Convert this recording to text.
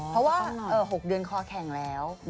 เพราะว่า๖เดือนคอแข็งแล้ว